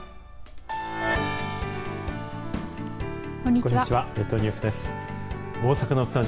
こんにちは。